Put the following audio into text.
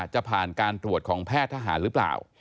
จะผ่านการตรวจของแพทย์ทหารหรือเปล่า